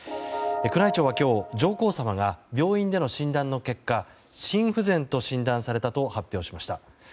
宮内庁は今日、上皇さまが病院での診断の結果心不全と診断されたと発表しました。